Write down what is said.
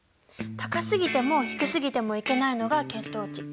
高すぎても低すぎてもいけないのが血糖値。